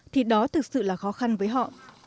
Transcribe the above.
thì đó thực sự là khó khăn với họ